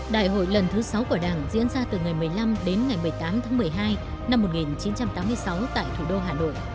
đại hội lần thứ sáu của đảng diễn ra từ ngày một mươi năm đến ngày một mươi tám tháng một mươi hai năm một nghìn chín trăm tám mươi sáu tại thủ đô hà nội